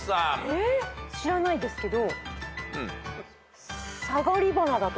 知らないですけど。